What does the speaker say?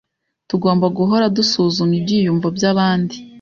Tugomba guhora dusuzuma ibyiyumvo byabandi.